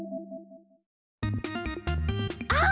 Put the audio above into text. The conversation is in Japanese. あっ！